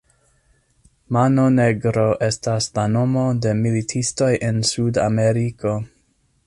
Mano Negro estas la nomo de militistoj en Sudameriko.